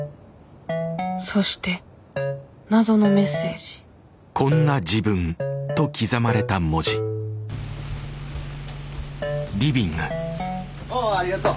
そして謎のメッセージおおありがとう。